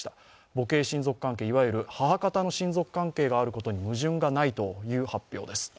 母系親族関係、いわゆる母方の親族関係に矛盾がないという発表です。